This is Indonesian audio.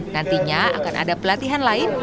nantinya akan ada pelatihan lain